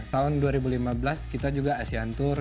tahun dua ribu lima belas kita juga asean tour